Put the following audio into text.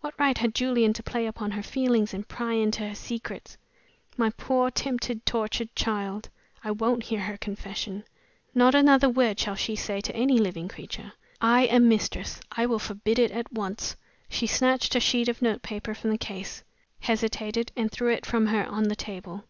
What right had Julian to play upon her feelings and pry into her secrets? My poor, tempted, tortured child! I won't hear her confession. Not another word shall she say to any living creature. I am mistress I will forbid it at once!" She snatched a sheet of notepaper from the case; hesitated, and threw it from her on the table.